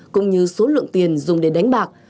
cũng như số lượng tiền dùng để đánh bạc